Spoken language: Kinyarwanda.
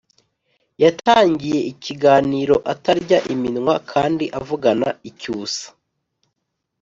yatangiye ikiganiro atarya iminwa kandi avugana icyusa,